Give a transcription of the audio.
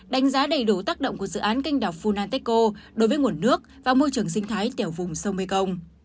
đánh giá đầy đủ tác động của dự án canh đảo funantechco đối với nguồn nước và môi trường sinh thái tiểu vùng sông mekong